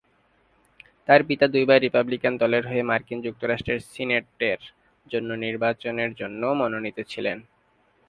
তার পিতা দুইবার রিপাবলিকান দলের হয়ে মার্কিন যুক্তরাষ্ট্রের সিনেটের জন্য নির্বাচনের জন্য মনোনীত ছিলেন।